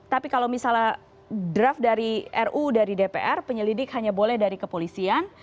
tapi kalau misalnya draft dari ru dari dpr penyelidik hanya boleh dari kepolisian